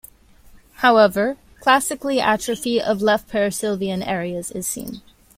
However, classically atrophy of left perisylvian areas is seen.